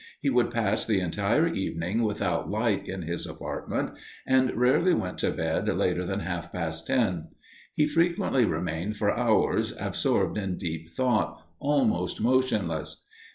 He would pass the entire evening without light in his apartment, and rarely went to bed later than half past ten. He frequently remained for hours absorbed in deep thought, almost motionless.